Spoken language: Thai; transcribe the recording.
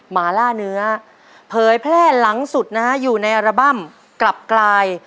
หมาล่าเนื้อเผยแพร่หลังสุดนะฮะอยู่ในอัลบั้มกลับกลาย